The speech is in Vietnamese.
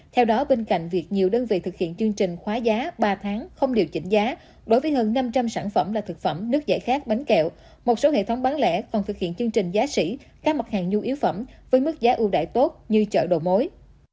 theo đó bên cạnh việc nhiều đơn vị thực hiện chương trình khóa giá ba tháng không điều chỉnh giá đối với hơn năm trăm linh sản phẩm là thực phẩm nước giải khát bánh kẹo một số hệ thống bán lẻ còn thực hiện chương trình giá sĩ các mặt hàng nhu yếu phẩm với mức giá ưu đại tốt như chợ đồ mối